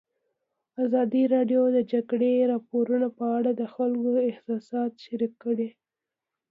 ازادي راډیو د د جګړې راپورونه په اړه د خلکو احساسات شریک کړي.